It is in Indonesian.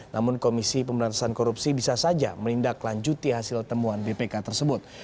namun komisi pemberantasan korupsi bisa saja menindaklanjuti hasil temuan bpk tersebut